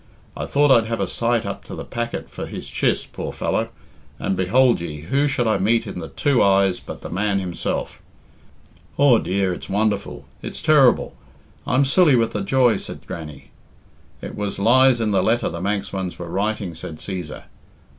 I thought I'd have a sight up to the packet for his chiss, poor fellow, and, behould ye, who should I meet in the two eyes but the man himself!" "Aw, dear! It's wonderful I it's terrible! I'm silly with the joy," said Grannie. "It was lies in the letter the Manx ones were writing," said Cæsar.